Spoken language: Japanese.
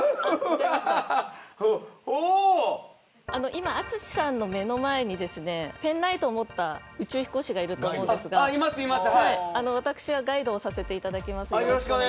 今、淳さんの目の前にペンライトを持った宇宙飛行士がいると思いますが私がガイドをさせていただきます。